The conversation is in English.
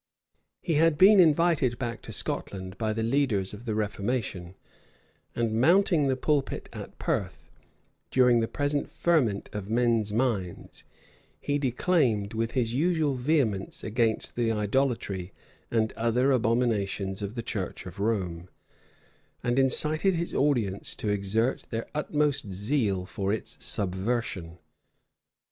He had been invited back to Scotland by the leaders of the reformation; and mounting the pulpit at Perth, during the present ferment of men's minds, he declaimed with his usual vehemence against the idolatry and other abominations of the church of Rome, and incited his audience to exert their utmost zeal for its subversion.